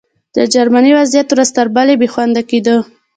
د جرمني وضعیت ورځ تر بلې بې خونده کېده